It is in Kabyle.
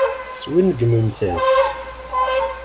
Swingmemt-as.